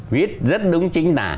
viết rất đúng chính tả